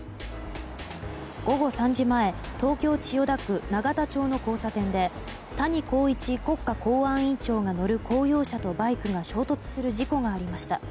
午後３時前東京・千代田区永田町の交差点で谷公一国家公安委員長が乗る公用車とバイクが衝突する事故がありました。